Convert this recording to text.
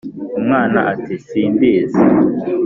" Umwana ati: "simbizi."